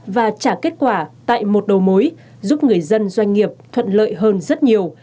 và trả kết quả tại một đầu mối giúp người dân doanh nghiệp thuận lợi hơn rất nhiều